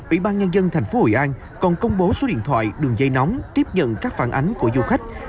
ủy ban nhân dân tp hội an còn công bố số điện thoại đường dây nóng tiếp nhận các phản ánh của du khách